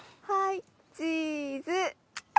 はいチーズ！